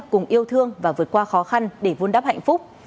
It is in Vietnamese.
cùng yêu thương và vượt qua khó khăn để vun đắp hạnh phúc